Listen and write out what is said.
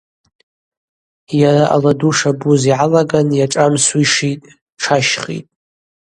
Йара ала ду шабуз йгӏалаган йашӏамсуа йшитӏ, тшащхитӏ.